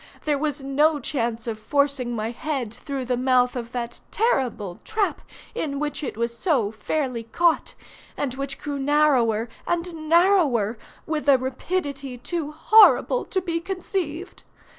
There was no chance of forcing my head through the mouth of that terrible trap in which it was so fairly caught, and which grew narrower and narrower with a rapidity too horrible to be conceived.